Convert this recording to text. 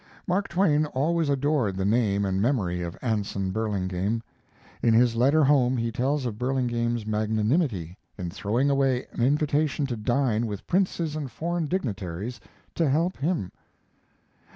Mark Twain always adored the name and memory of Anson Burlingame. In his letter home he tells of Burlingame's magnanimity in "throwing away an invitation to dine with princes and foreign dignitaries" to help him.